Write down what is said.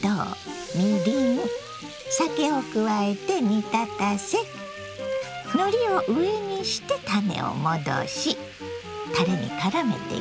を加えて煮立たせのりを上にしてたねをもどしたれにからめていきますよ。